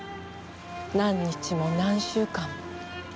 何日も何週間も。